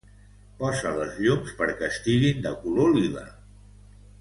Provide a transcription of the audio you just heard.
Posa les llums perquè estiguin de color lila.